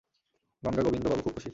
গঙা, গোবিন্দ বাবু খুব খুশি।